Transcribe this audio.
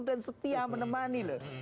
dan setia menemani loh